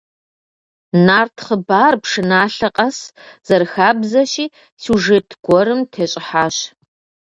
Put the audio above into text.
Нарт хъыбар, пшыналъэ къэс, зэрыхабзэщи, сюжет гуэрым тещӏыхьащ.